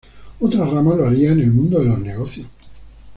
Otra rama lo haría en el mundo de los negocios.